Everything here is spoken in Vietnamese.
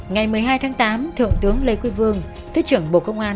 ngày một mươi hai tháng tám thượng tướng lê quý vương thứ trưởng bộ công an